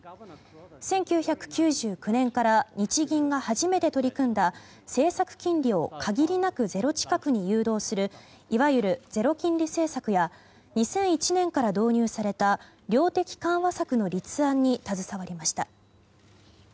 １９９９年から日銀が初めて取り組んだ政策金利を限りなくゼロ近くに誘導するいわゆるゼロ金利政策や２００１年から導入された量的緩和策の立案に携わりました。